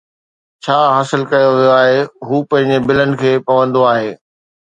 ڇا حاصل ڪيو ويو آهي، هو پنهنجي بلن کي بوندو آهي